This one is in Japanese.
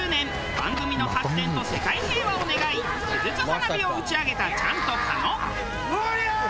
番組の発展と世界平和を願い手筒花火を打ち上げたチャンと狩野。